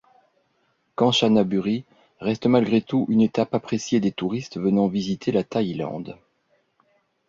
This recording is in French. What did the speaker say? Kanchanaburi reste malgré tout une étape appréciée des touristes venant visiter la Thaïlande.